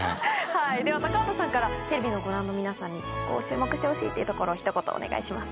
では高畑さんからテレビをご覧の皆さんにここを注目してほしいっていうところをひと言お願いします。